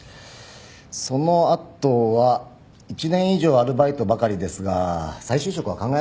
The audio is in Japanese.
その後は１年以上アルバイトばかりですが再就職は考えなかったのですか？